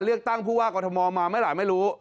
เลือกตั้งผู้ว่ากรทมมาเมื่อไหร่ไม่รู้